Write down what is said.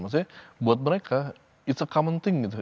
maksudnya buat mereka itu hal yang umum gitu